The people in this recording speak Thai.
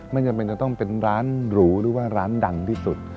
มันยังไม่ต้องเป็นร้านหรูหรือว่าร้านดังที่สุด